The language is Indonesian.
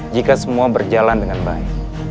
jika semua berjalan dengan baik